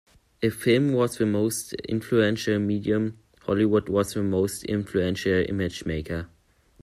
If film was the most influential medium, Hollywood was the most influential image maker.